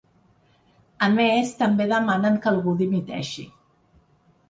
A més, també demanen que ‘algú dimiteixi’.